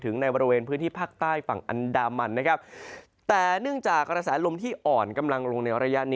ในผ่ากใต้ฝั่งอันดามันนะครับแต่เนื่องจากอาสาหรับลมที่อ่อนกำลังลงในระยะ